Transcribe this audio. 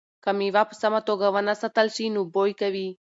که مېوه په سمه توګه ونه ساتل شي نو بوی کوي.